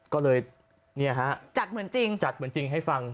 ก็เลยจัดเหมือนจริงให้ฟัง